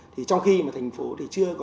trong khi mà thành phố chưa có